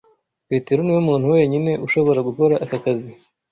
Petero niwe muntu wenyine ushobora gukora aka kazi.